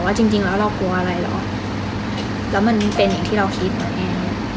จริงจริงแล้วเรากลัวอะไรหรอกแล้วมันเป็นอย่างที่เราคิดมาเอง